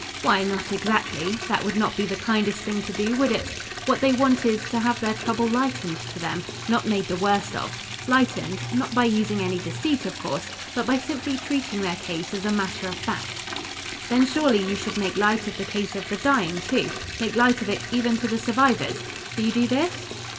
"Why, not exactly; that would not be the kindest thing to do, would it? What they want is, to have their trouble lightened to them, not made the worst of; lightened, not by using any deceit, of course, but by simply treating their case as a matter of fact." "Then surely you should make light of the case of the dying too: make light of it even to the survivors. Do you do this?"